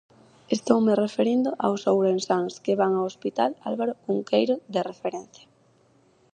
Estoume referindo aos ourensáns que van ao Hospital Álvaro Cunqueiro, de referencia.